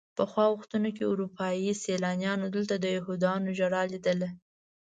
پخوا وختونو کې اروپایي سیلانیانو دلته د یهودیانو ژړا لیدله.